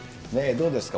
どうですか？